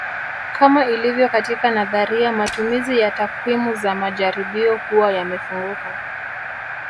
Kama ilivyo katika nadharia matumizi ya takwimu za majaribio huwa yamefunguka